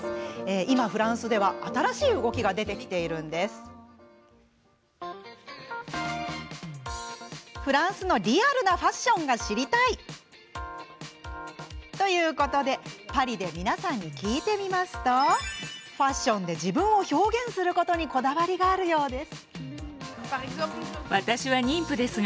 今フランスでは新しい動きが出てきているんです。ということでパリで皆さんに聞いてみるとファッションで自分を表現することに、こだわりがあるようです。